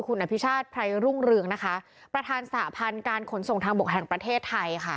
คุณอภิชาติไพรรุ่งเรืองนะคะประธานสหพันธ์การขนส่งทางบกแห่งประเทศไทยค่ะ